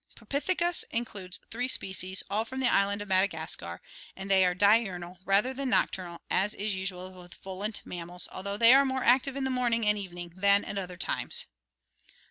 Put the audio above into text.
Pro pithecus includes three species, all from the island of Madagascar, and they are diurnal rather than nocturnal as is usual with volant mammals, although they are more active in the morning and even ing than at other times.